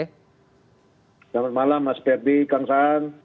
selamat malam mas ferdi kang saan